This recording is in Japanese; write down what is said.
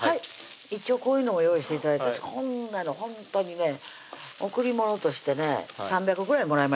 一応こういうのを用意して頂いて私こんなのほんとにね贈り物としてね３００ぐらいもらいました